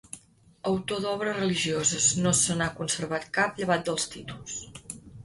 Autor d'obres religioses, no se n'ha conservat cap llevat dels títols.